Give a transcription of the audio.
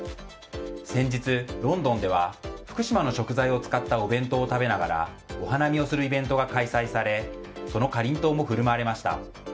先日、ロンドンでは福島の食材を使ったお弁当を食べながらお花見をするイベントが開催されそのかりんとうも振る舞われました。